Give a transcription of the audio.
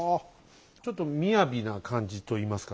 ちょっと雅な感じといいますかね。